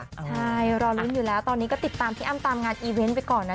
ใช่รอลุ้นอยู่แล้วตอนนี้ก็ติดตามพี่อ้ำตามงานอีเวนต์ไปก่อนนะ